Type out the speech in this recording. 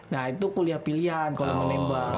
nah itu kuliah pilihan kalau menembak